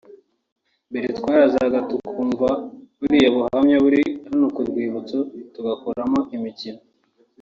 Mbere twarazaga tukumva buriya buhamya buri hano ku rwibutso tugakoramo imikino